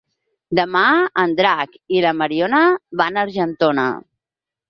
Demà en Drac i na Mariona van a Argentona.